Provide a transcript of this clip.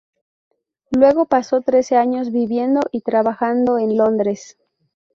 Luego pasó trece años viviendo y trabajando en Londres.